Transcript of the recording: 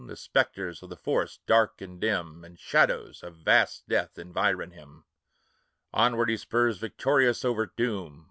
The spectres of the forest, dark and dim, And shadows of vast death environ him Onward he spurs victorious over doom.